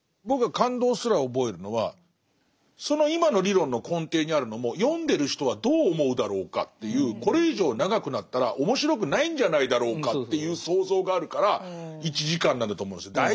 僕は感動すら覚えるのはその今の理論の根底にあるのも読んでる人はどう思うだろうかっていうこれ以上長くなったら面白くないんじゃないだろうかっていう想像があるから１時間なんだと思うんですよ。